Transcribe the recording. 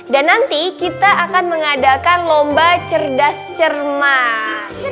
dan nanti kita akan mengadakan lomba cerdas cermat